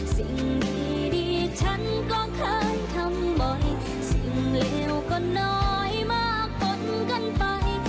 สิ่งดีฉันก็เคยทำบ่อยสิ่งเลวก็น้อยมากปนกันไป